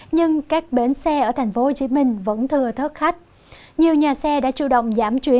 nhưng các bến xe ở thành phố hồ chí minh vẫn thừa thớt khách nhiều nhà xe đã chủ động giảm chuyến